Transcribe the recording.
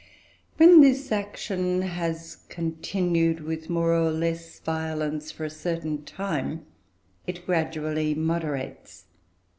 When this action has continued, with more or less violence, for a certain time, it gradually moderates.